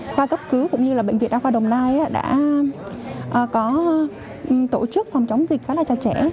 khoa cấp cứu cũng như là bệnh viện đa khoa đồng nai đã có tổ chức phòng chống dịch khá là cho trẻ